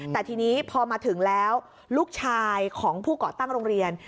แต่ทีนี้พอมาถึงแล้วลูกชายของผู้ก่อตั้งโรงเรียน